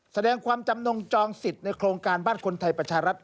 แสดงความจำนงจองสิทธิ์ในโครงการบ้านคนไทยประชารัฐ